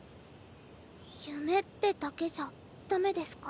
夢ってだけじゃダメですか？